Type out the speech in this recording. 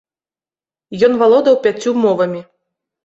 Ён валодаў пяццю мовамі.